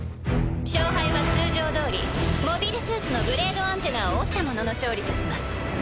勝敗は通常どおりモビルスーツのブレードアンテナを折った者の勝利とします。